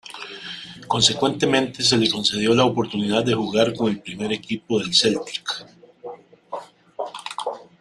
Consecuentemente, se le concedió la oportunidad de jugar con el primer equipo del Celtic.